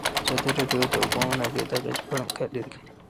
ازادي راډیو د د اوبو منابع د اغیزو په اړه مقالو لیکلي.